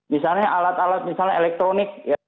misalnya alat alat misalnya elektronik